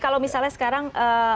kalau misalnya sekarang